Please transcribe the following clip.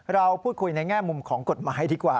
เราพูดคุยในแง่มุมของกฎหมายดีกว่า